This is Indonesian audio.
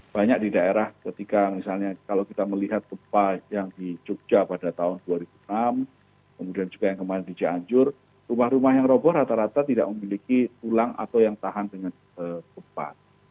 banyak di daerah ketika misalnya kalau kita melihat gempa yang di jogja pada tahun dua ribu enam kemudian juga yang kemarin di cianjur rumah rumah yang roboh rata rata tidak memiliki tulang atau yang tahan dengan gempa